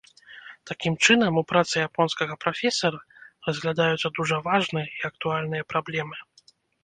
Такім чынам, у працы японскага прафесара разглядаюцца дужа важныя і актуальныя праблемы.